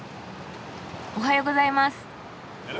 おはようございます。